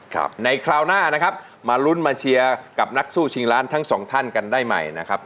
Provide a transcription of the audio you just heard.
ครับในคราวหน้านะครับมาลุ้นมาเชียร์กับนักสู้ชิงล้านทั้งสองท่านกันได้ใหม่นะครับ